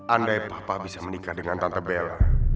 andai papa bisa menikah dengan tante bela